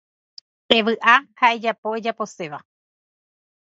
Evy'a ha ejapo ejaposéva.